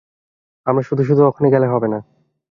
আমরা শুধু শুধু ওখানে গেলে হবে না।